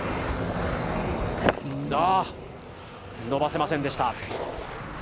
伸ばせませんでした。